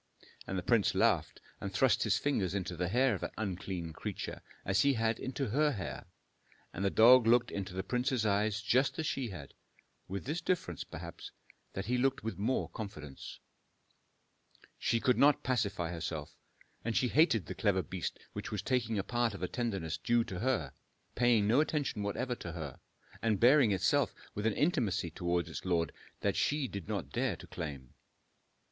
And the prince laughed and thrust his fingers into the hair of that unclean creature, as he had into her hair. And the dog looked into the prince's eyes just as she had, with this difference, perhaps, that he looked with more confidence. She could not pacify herself, and she hated the clever beast which was taking a part of the tenderness due to her, paying no attention whatever to her, and bearing itself with an intimacy towards its lord that she did not dare to claim.